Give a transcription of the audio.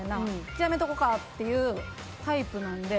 じゃあやめとこうかっていうタイプなので。